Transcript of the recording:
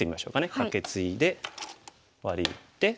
カケツイでワリ打って。